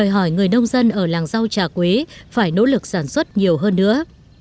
hỏi người nông dân ở làng rau trà quế phải nỗ lực sản xuất nhiều hơn nữa